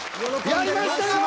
やりましたよ！